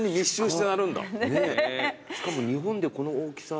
しかも日本でこの大きさ。